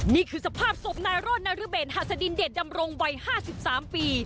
นี่คือสภาพศพนายโรดนรเบศหัสดินเดชดำรงวัย๕๓ปี